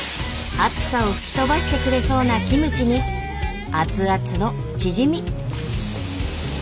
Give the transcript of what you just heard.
暑さを吹き飛ばしてくれそうなキムチに熱々のチヂミ。